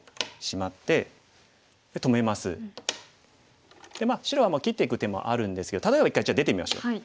まあ白は切っていく手もあるんですけど例えば一回じゃあ出てみましょう。